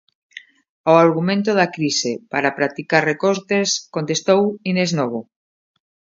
Ao argumento da crise para practicar recortes contestou Inés Novo.